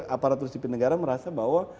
aparatur sipil negara merasa bahwa